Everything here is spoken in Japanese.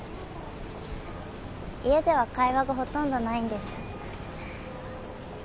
家では会話がほとんどないんです。